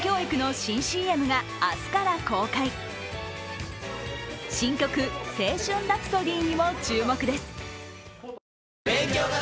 新曲「青春ラプソディ」にも注目です。